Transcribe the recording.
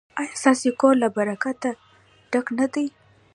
ایا ستاسو کور له برکت ډک نه دی؟